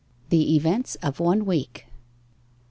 THE EVENTS OF ONE WEEK 1.